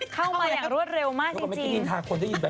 เข้ามาอย่างรวดเร็วมากจริงไม่เคยได้ยินทางคนได้ยินแบบไหม